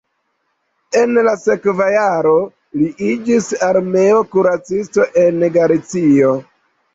En la sekva jaro li iĝis armeo kuracisto en Galicio.